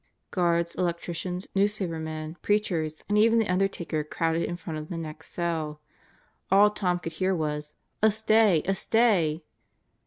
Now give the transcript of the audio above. Guards, electricians, newspapermen, preachers, and even the undertaker crowded in front of the next cell. All Tom could hear was: "A stay! A stay!"